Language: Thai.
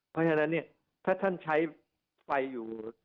เพราะฉะนั้นเนี่ยถ้าท่านใช้ไฟอยู่